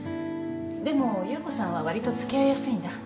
でも侑子さんはわりと付き合いやすいんだ。